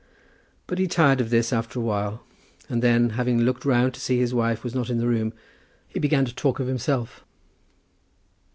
But he tired of this after a while, and then, having looked round to see that his wife was not in the room, he began to talk of himself.